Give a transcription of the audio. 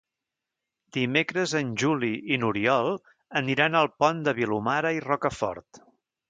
Dimecres en Juli i n'Oriol aniran al Pont de Vilomara i Rocafort.